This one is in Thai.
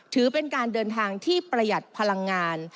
ถือเป็นการเดินทางที่ประหยัดพลังงาน